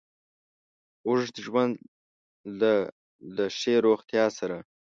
اوږد ژوند له له ښې روغتیا سره